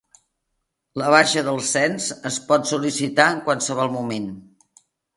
La baixa del Cens es pot sol·licitar en qualsevol moment.